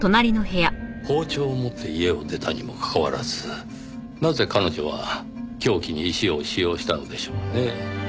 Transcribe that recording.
包丁を持って家を出たにもかかわらずなぜ彼女は凶器に石を使用したのでしょうねぇ。